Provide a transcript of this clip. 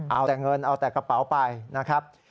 เอาแต่เงินเอาแต่กระเป๋าไปนะครับ